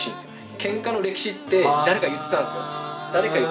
ケンカの歴史って誰か言ってたんですよへえ